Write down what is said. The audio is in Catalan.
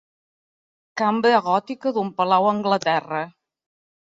Cambra gòtica d'un palau a Anglaterra.